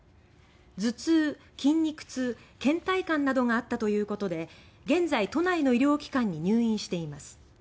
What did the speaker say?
片頭痛、筋肉痛倦怠感などがあったということで現在、都内の医療機関に入院しています。